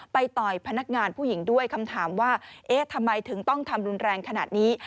ต่อยพนักงานผู้หญิงด้วยคำถามว่าเอ๊ะทำไมถึงต้องทำรุนแรงขนาดนี้